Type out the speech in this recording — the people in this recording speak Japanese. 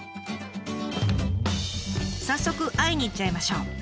早速会いに行っちゃいましょう。